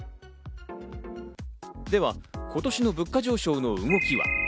では、今年の物価上昇の動きは。